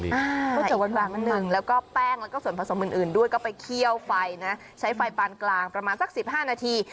ก๋วยเตี๋ยวหวานนิดนึงแล้วก็แป้งแล้วก็ส่วนผสมอื่นด้วยก็ไปเคี่ยวไฟนะใช้ไฟปานกลางประมาณสัก๑๕นาที